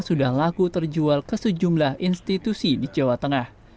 sudah laku terjual ke sejumlah institusi di jawa tengah